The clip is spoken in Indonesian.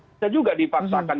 itu juga dipaksakan